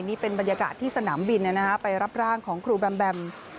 นี่เป็นบรรยากาศที่สนามบินไปรับร่างของครูแบมแบม